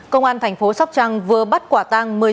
công an thành phố sóc trăng vừa bắt quả tang